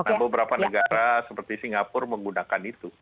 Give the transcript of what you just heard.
nah beberapa negara seperti singapura menggunakan itu